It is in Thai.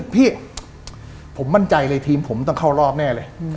พี่ผมมั่นใจเลยทีมผมต้องเข้ารอบแน่เลย